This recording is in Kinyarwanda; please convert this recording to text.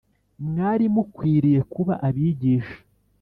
mwari mukwiriye kuba abigisha